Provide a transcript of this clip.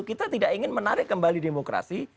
kita tidak ingin menarik kembali demokrasi